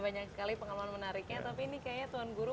pengalaman menariknya tapi ini kayaknya tuan guru